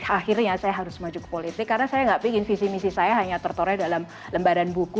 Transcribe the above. akhirnya saya harus maju ke politik karena saya nggak ingin visi misi saya hanya tertore dalam lembaran buku